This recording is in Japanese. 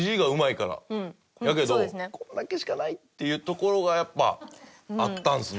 だけどこれだけしかないっていうところがやっぱあったんですね。